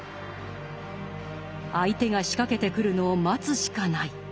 相手が仕掛けてくるのを待つしかない。